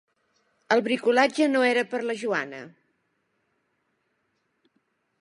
El bricolatge no era per a la Joana.